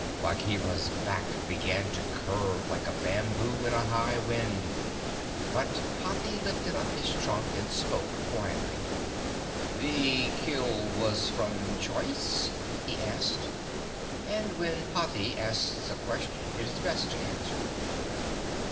Bagheera's back began to curve like a bamboo in a high wind, but Hathi lifted up his trunk and spoke quietly. "Thy kill was from choice?" he asked; and when Hathi asks a question it is best to answer.